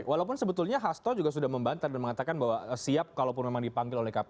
walaupun sebetulnya hasto juga sudah membantah dan mengatakan bahwa siap kalaupun memang dipanggil oleh kpk